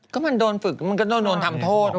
ก็มันโดนฝึกมันก็โดนทำโทษ